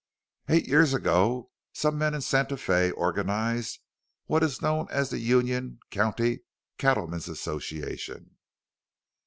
"Eight years ago some men in Santa Fe organized what is known as the Union County Cattlemen's Association.